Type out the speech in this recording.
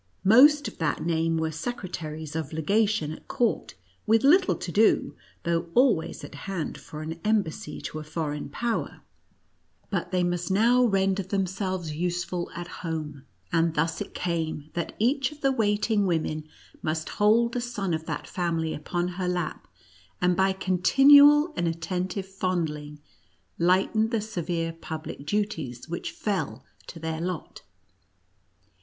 Most of that name were secretaries of legation at court, with little to do, though always at hand for an embassy to a foreign power, but they must now render them 68 NUTCRACKER AND MOUSE KING. selves useful at home. And thus it came that each of the waiting women must hold a son of that family upon her lap, and by continual and attentive fondling, lighten the severe public du ties which fell to their lot.